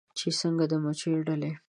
چې څنګه د مچېو ډلې